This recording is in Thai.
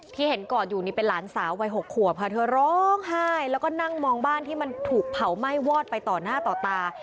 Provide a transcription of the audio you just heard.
ที่เห็นกอดอยู่นี่เป็นหลานสาววัย๖ขวบค่ะเธอร้องไห้แล้วก็นั่งมองบ้านที่มันถูกเผาไหม้วอดไปต่อหน้าต่อตา